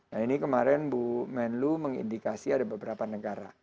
nah ini kemarin bu menlu mengindikasi ada beberapa negara